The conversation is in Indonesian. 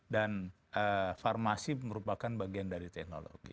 dan farmasi merupakan bagian dari teknologi